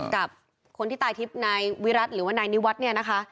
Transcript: กับคนที่ตายทฤษฐ์นายวิรัติหรือว่านายนิวัฒน์